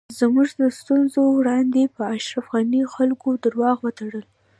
زموږ د سترږو وړاندی په اشرف غنی خلکو درواغ وتړل